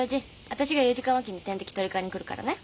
わたしが４時間おきに点滴取り替えに来るからね。